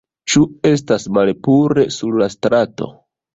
Ĉu estas malpure sur la strato?